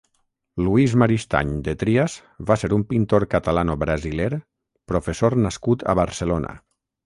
Luís Maristany de Trias va ser un pintor catalano-brasiler, professor nascut a Barcelona.